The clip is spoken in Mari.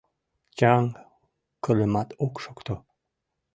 Чаҥ кырымат ок шокто.